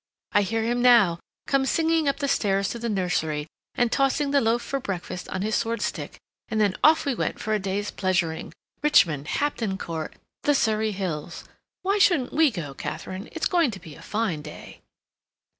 I hear him now, come singing up the stairs to the nursery, and tossing the loaf for breakfast on his sword stick, and then off we went for a day's pleasuring—Richmond, Hampton Court, the Surrey Hills. Why shouldn't we go, Katharine? It's going to be a fine day."